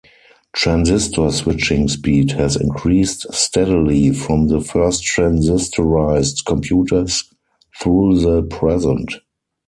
Transistor switching speed has increased steadily from the first transistorized computers through the present.